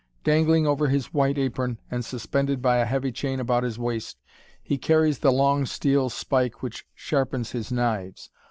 Dangling over his white apron, and suspended by a heavy chain about his waist, he carries the long steel spike which sharpens his knives.